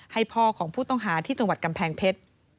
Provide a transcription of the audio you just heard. ให้พ่อของผู้ต้องหาที่จังหวัดกำแพงเพชร